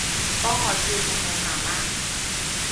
幫我照顧你媽媽